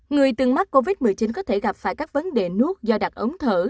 người từng mắc covid một mươi chín có thể gặp phải các vấn đề nuốt do đặt ống thở